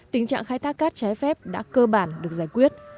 tình trạng khai thác cát trái phép đã cơ bản được giải quyết